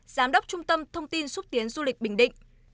giám đốc trung tâm thông tin xúc tiến du lịch bình định